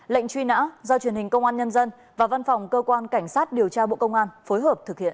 lệnh truy nã do truyền hình công an nhân dân và văn phòng cơ quan cảnh sát điều tra bộ công an phối hợp thực hiện